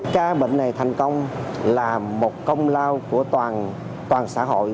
ca bệnh này thành công là một công lao của toàn xã hội